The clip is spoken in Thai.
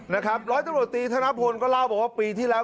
ร้อยตำรวจตีธนพลก็เล่าบอกว่าปีที่แล้ว